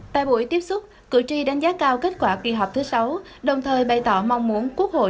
tại buổi tiếp xúc cử tri đánh giá cao kết quả kỳ họp thứ sáu đồng thời bày tỏ mong muốn quốc hội